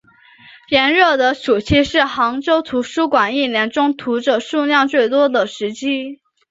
炎热的暑期是杭州图书馆一年中读者数量最多的时期。